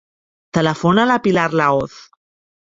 Telefona a la Pilar Lahoz.